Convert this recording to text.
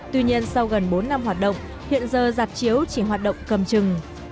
tuy nhiên sau gần bốn năm hoạt động hiện giờ giạp chiếu chỉ hoạt động cầm chừng